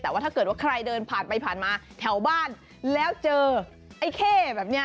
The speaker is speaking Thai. แต่ว่าถ้าเกิดว่าใครเดินผ่านไปผ่านมาแถวบ้านแล้วเจอไอ้เข้แบบนี้